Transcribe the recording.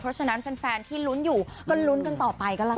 เพราะฉะนั้นแฟนที่ลุ้นอยู่ก็ลุ้นกันต่อไปก็ละกัน